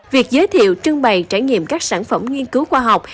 việc giới thiệu trưng bày trải nghiệm các sản phẩm nghiên cứu khoa học